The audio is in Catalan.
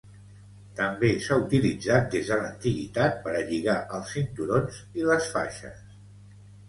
També s'ha utilitzat des de l'antiguitat per a lligar els cinturons i les faixes.